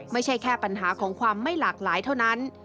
ไม่ใช่แค่ปัญหาของความไม่หลากหลายเท่านั้น